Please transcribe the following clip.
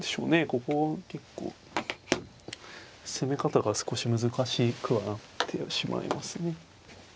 ここは結構攻め方が少し難しくはなってしまいますね。